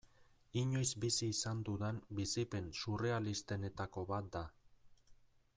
Inoiz bizi izan dudan bizipen surrealistenetako bat da.